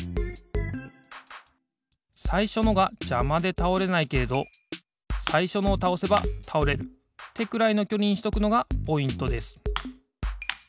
さいしょのがじゃまでたおれないけれどさいしょのをたおせばたおれるってくらいのきょりにしとくのがポイントです。